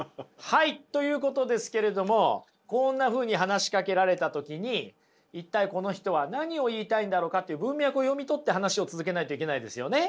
はいということですけれどもこんなふうに話しかけられた時に一体この人は何を言いたいんだろうかっていう文脈を読み取って話を続けないといけないですよね。